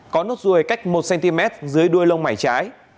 có nốt ruồi cách một cm dưới đuôi lông mảy trái